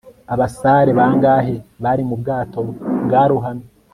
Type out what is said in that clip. Abasare bangahe bari mu bwato bwarohamye